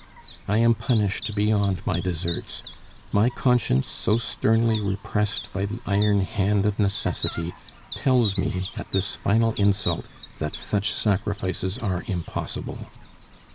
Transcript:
"I am punished beyond my deserts. My conscience, so sternly repressed by the iron hand of necessity, tells me, at this final insult, that such sacrifices are impossible.